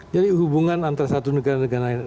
jadi hubungan antara satu negara dengan lain